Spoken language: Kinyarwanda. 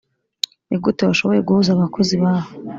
nigute washoboye guhuza abakozi baha?